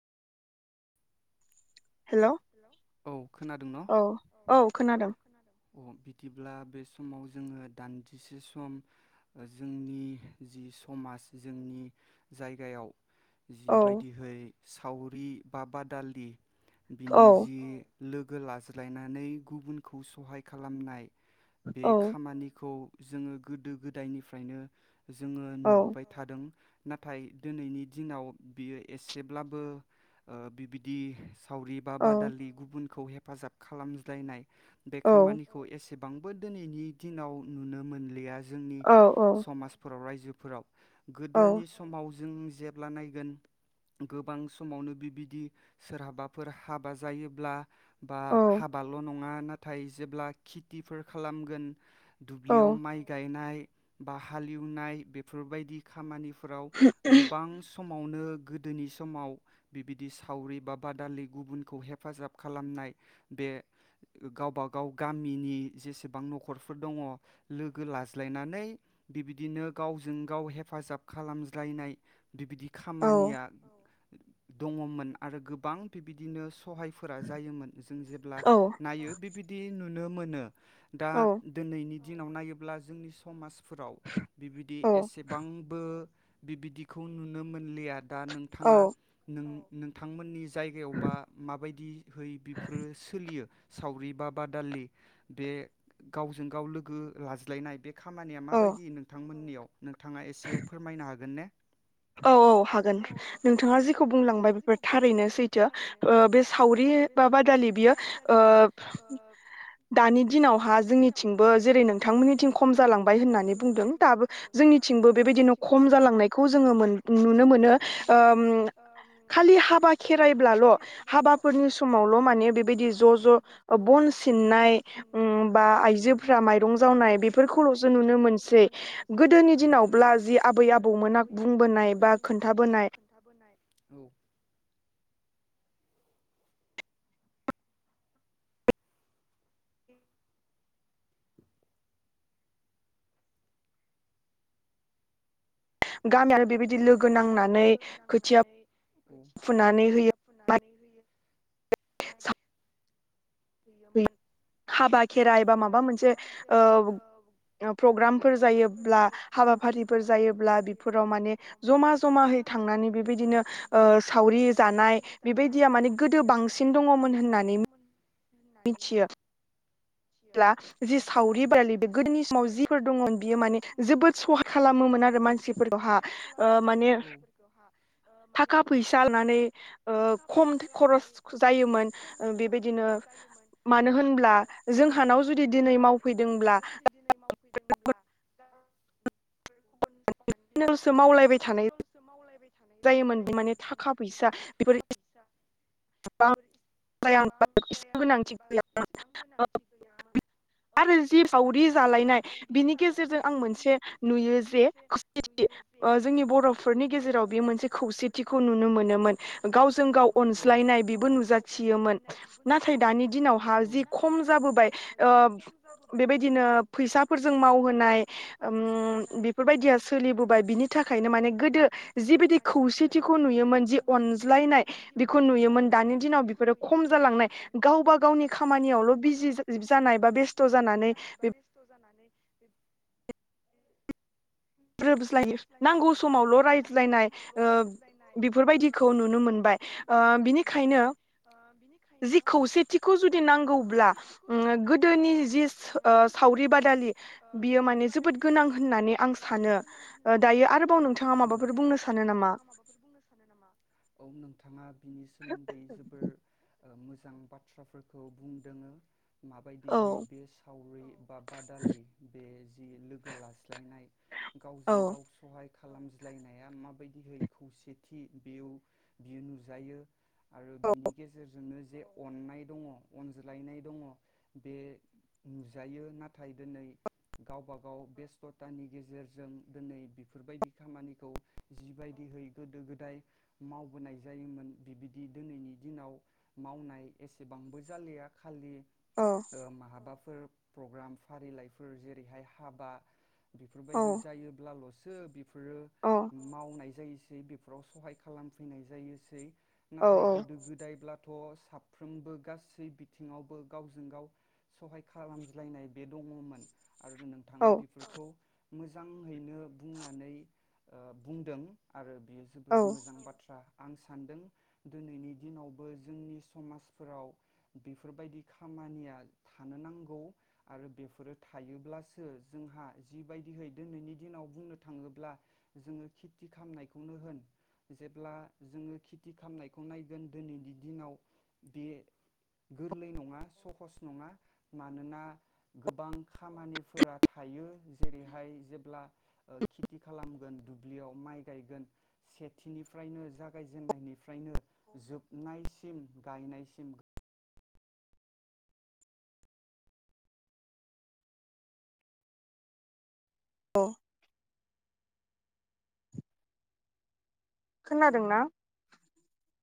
Hello औ औ खोनादों। अ बिदिब्ला बे समाव जोङो दान्दिसे सम ओ जोंनि जि समाज जोंनि जायगायाव जिबायदिहै सावरि बा बादालि बिनि जि लोगो लाज्लायनानै गुबुनखौ सहाय खालामनाय बे खामानिखौ जोङो गोदो गोदायनिफ्रायनो जोङो नुबोबाय थादों। नाथाय दिनैनि दिनाव बियो एसेब्लाबो ओ बिबायदि सावरि बा बादालि गुबुन खौ हेफाजाब खालामज्लायनाय बे खामानिखौ एसेय बांबो दिनैनि दिनाव नुनो मोनलिया जोंनि समाजफोराव राय जोफोराव गोदोनि समाव जों जेब्ला नायगोन गोबां समावनो बिबायदि सोरहाबा फोर हाबा जायोब्ला बा हाबाल नङा नाथाय जेब्ला खेथिफोर खालामगोन दुब्लियाव माइ गायनाय बा हालेवनाय बेफोरबायदि खामानि फोराव गोबां समावनो गोदोनि समाव बिबायदि सावरि बा बादालि गुबुनखौ हेफाजाब खालामनाय बे गावब गाव गामिनि जेसेबां नखरफोर दङ लोगो लाज्लायनानै बिबायदिनो गावजों गाव हेफाजाब खालामज्लायनाय बेबायदि खामानिया दङमोन आरो गोबां बेबायदिनो सहायफोरा जायोमोन जों जेब्ला नायो बेबायदि नु नो मोनो। दा दिनैनि दिनाव नायोब्ला जोंनि समाज फोराव बिबायदि एसेबांबो बि बिदिखौ नुनो मोनलिया। दा नोंथाङा नों नोंथांमोननि जायगायावबा बा माबायदि होय बेफोरो सोलियो? सावरि बा बादालि बे गावजों गाव लोगो लाज्लायनाय बे खामानिया माबायदि नोंथांमोननियाव नोंथाङा एसे फोरमायनो हागोन ने? औ औ हागोन नोंथाङा जेखौ बुंलांबाय बेफोर थारैनो सैथो बे सावरि बा बादालि बियो दानि दिनावहा जोंनिथिंबो जेरै नोंथांमोननिथिं खम जालांबाय होननानै बुंदों दाबो जोंनिथिंबो बेबायदिनो खम जालांनायखौ जों। नुनो मोनो। खालि हाबा खेराइब्लाल हाबाफोरनि समावल माने बेबायदि ज ज बन सिननाय बा आइजोफ्रा माइरं जावनाय बेफोरखौलसो नुनो मोनसै गोदोनि दिनावब्ला जि आबै आबौमोन आ। बुंबोनाय बा खोनथा बोनाय। बुंबोनायबा खोनथाबोनाय औ। [inaudible] गामियानो बेबायदि लोगो नांनानैया खोथिया फुनानै [unintelligible] हाबा खेराइ बा माबा मोनसे प्रग्रामफोर जायोब्ला हाबा फारिफोर जायोब्ला बेफोराव मा। माने जमा जमायै थांनानै बेबायदिनो सावरि जानाय बेबायदिया माने गोदो बांसिन दङमोन होननानै। होननानै मि जेब्ला जि सावरि बादालि बे गोदोनि समाव जिफोर दङमोन बियो माने जोबोद सहाय खालामोमोन आरो मानसिफोरखौ हा। माने थाखा फैसा लानानै खम खरस जायोमोन बेबायदिनो मानो होनब्ला मानो होनब्ला जोंहानाव जुदि दिनै मावफैदोंब्ला। [unintelligible] मावलायबाय थानाय। थानाय जायोमोन बेनिखायनो माने थाखा फैसा [inaudible] जि सावरि जालायनाय बिनि गेजेरजों आं मोनसे नुयो जे खौवसेथि ओ जोंनि बर'फोरनि गेजेराव बे मोनसे खौसेथिखौ नुनो मोनोमोन गावजों गाव अन लायनाय बेबो नुजाथियोमोन नाथाय दानि दिनाव हा जि खम जाबोबाय ओ बेबायदिनो फैसाफोरजों मावहोनाय उम्म बेफोर बायदिया सोलिबोबाय बिनि थाखायनो माने गोदो जिबायदि खौसेथिखौ नुयोमोन जि अनज्लायनाय बे खौ नुयोमोन दानि दिनाव बेफोरो खम जालांनाय गावबा गावनि खामानियावल बिजि ज-जानाय बा बेस्थ जानानै [inaudible] [unintelligible] नांगौ समावल रायज्लायनाय ओ बेफोरबायदिखौ नुनो मोनबाय ओ बिनिखायनो जि खौसेथिखौ जुदि नांगौब्ला ओम गोदोनि जि सो ओ सावरि बादालि बियो माने जोबोद गोनां होननानै आं सान सानो दायो आरो दायो आरोबाव नोंथाङा माबाफोर बुंनो सानो नामा? औ नोंथांङा बिनि सोमोन्दै जोबोर मोजां बाथ्राफोरखौ बुंदोङो माबायदिहै बे सावरि बा बादालि बे जि लोगो लाज्लायनाय गावजों गाव खालामज्लायनाया माबायदिहै खौसेथि बेयाव बियो नुजायो आरो बिनि गेजेरजोंनो जे अननाय दङ अनज्लायनाय दङ बे नुजायो नाथाय दिनै गावबा गाव बेस्थ'थानि गेजेरजों दोनै बेफोरबायदि खामानिखौ जिबायदिहै गोदो गोदाय मावबोनाय जायोमोन बिबिदि दिनैनि दिनाव मावनाय एसेबांबो जालिया खालि ओ माहाबाफोर प्रग्राम फारिलाइफोर जेरैहाय हाबा बेफोरबायदि जायोब्लालस [unintelligible] फोरो मावनाय जायोस है बेफोराव सहाय खालामफैनाय जायोसै नाथाय गोदो गोदायब्ला थ' साफ्रोमबो गासै बिथिङावबो गावजों गाव सहाय खालामज्लायनाय बे दङमोन। आरो नोंथांङा बेफोरखौ मोजांहैनो बुंनानै ओ बुंदों आरो बेयो जोबोर मोजां बाथ्रा। आं सानदों दिनैनि दिनावबो जोंनि समाजफोराव बेफोरबायदि खामानिया थानो नांगौ आरो बेफोरो थायोब्लासो जोंहा जिबायदिहै दिनैनि दिनाव बुंनो थाङोब्ला जोंङो खेथि खालामनायखौनो होन जेब्ला जोंङो खेथि खालामनायखौ नायगोन दिनैनि दिनाव बे गोरलै नङा सहस नङा मानोना गोबां खामानिफोरा थायो जेरैहाय जेब्ला ओ खिथि खालामगोन दुब्लियाव माइ गायगोन सेथिनिफ्रायनो जागायजेननायनिफ्रायनो जोबनायसिम गायनायसिम औ खोनादोंना?